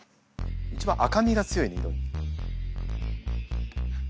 一番赤みが強いね色。